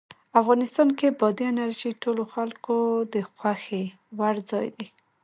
افغانستان کې بادي انرژي د ټولو خلکو د خوښې وړ ځای دی.